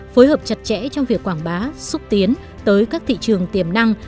phối hợp chặt chẽ trong việc quảng bá xúc tiến tới các thị trường tiềm năng